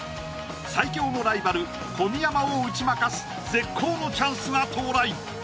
最強のライバル・小宮山を打ち負かす絶好のチャンスが到来！